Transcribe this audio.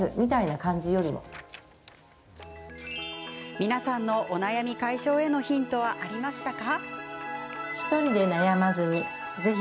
皆さんのお悩み解消へのヒントはありましたか？